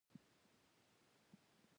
مچان د انسان له وینې ژوندی پاتې کېږي